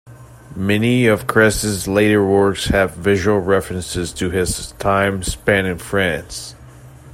Many of Cress's later works have visual references to his time spent in France.